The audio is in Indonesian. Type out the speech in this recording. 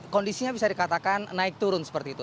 kondisinya bisa dikatakan naik turun seperti itu